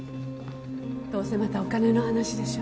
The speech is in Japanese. どうせまたお金の話でしょ？